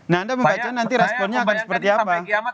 nah anda membaca nanti responnya akan seperti apa